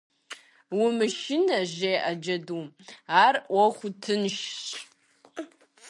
- Умышынэ! - жеӀэ джэдум. - Ар Ӏуэху тыншщ.